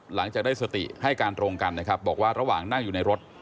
หลังจากได้สติให้การตรงกันนะครับบอกว่าระหว่างนั่งอยู่ในรถ